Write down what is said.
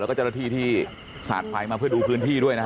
แล้วก็เจ้าหน้าที่ที่สาดไฟมาเพื่อดูพื้นที่ด้วยนะฮะ